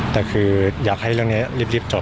แต่คืออยากให้เรื่องชอบ